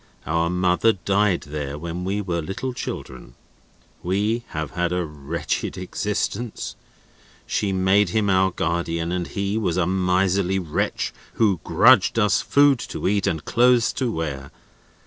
Our mother died there, when we were little children. We have had a wretched existence. She made him our guardian, and he was a miserly wretch who grudged us food to eat, and clothes to wear.